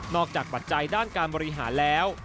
จากปัจจัยด้านการบริหารแล้ว